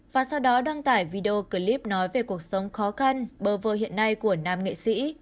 và sau đó đăng tải video clip nói về cuộc sống khó khăn bơ vơ hiện nay của nam nghệ sĩ